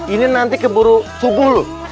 ini nanti keburu subuh loh